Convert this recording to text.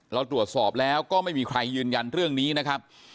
เราตรวจสอบแล้วก็ไม่มีใครยืนยันเรื่องนี้นะครับ